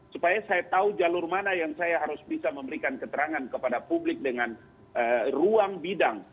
supaya saya tahu jalur mana yang saya harus bisa memberikan keterangan kepada publik dengan ruang bidang